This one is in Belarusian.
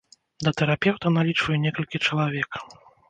Да тэрапеўта налічваю некалькі чалавек.